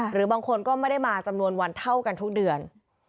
หรือบางคนก็ไม่ได้มาจำนวนวันเท่ากันทุกเดือน